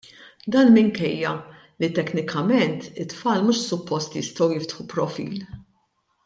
Dan minkejja li teknikament it-tfal mhux suppost jistgħu jiftħu profil.